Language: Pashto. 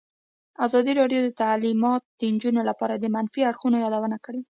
ازادي راډیو د تعلیمات د نجونو لپاره د منفي اړخونو یادونه کړې.